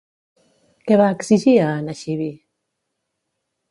Què va exigir a Anaxibi?